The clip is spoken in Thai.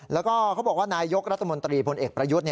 แล้วก็เขาบอกว่านายยกรัฐมนตรีพลเอกประยุทธ์